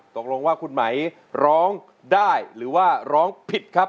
ตกลงว่าคุณไหมร้องได้หรือว่าร้องผิดครับ